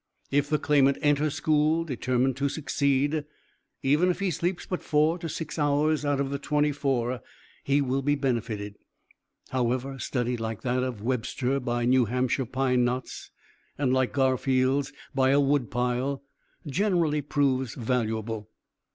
If the claimant enter school determined to succeed, even if he sleeps but four to six hours out of the twenty four, he will be benefited. However, study like that of Webster, by New Hampshire pine knots; and like Garfield's, by a wood pile; generally proves valuable.